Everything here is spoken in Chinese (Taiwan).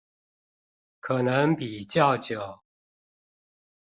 可能比較久